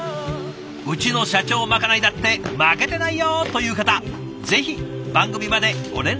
うちの社長まかないだって負けてないよ！という方ぜひ番組までご連絡下さい。